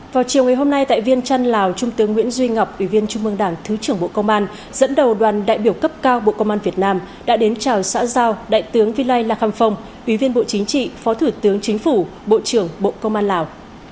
vào chiều ngày hôm nay tại viên trăn lào trung tướng nguyễn duy ngọc ủy viên trung mương đảng thứ trưởng bộ công an dẫn đầu đoàn đại biểu cấp cao bộ công an việt nam đã đến chào xã giao đại tướng vi lai lạc kham phong ủy viên bộ chính trị phó thủ tướng chính phủ bộ trưởng bộ công an lào